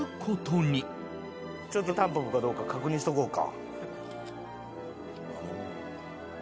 ちょっとタンポポかどうか確認しておこうか。